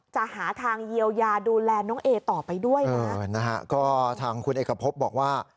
จะหาทางเยียวยาดูแลน้องเอต่อไปด้วยนะเออนะฮะก็ทางคุณเอกพบบอกว่า